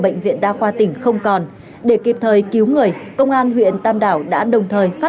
bệnh viện đa khoa tỉnh không còn để kịp thời cứu người công an huyện tam đảo đã đồng thời phát